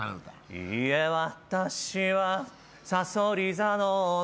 「いいえ私はさそり座の女」